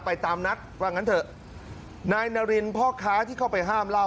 ตามนัดว่างั้นเถอะนายนารินพ่อค้าที่เข้าไปห้ามเล่า